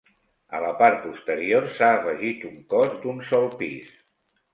A la part posterior s'ha afegit un cos d'un sol pis.